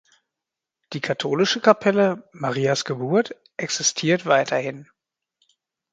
Die katholische Kapelle "Marias Geburt" existiert weiterhin.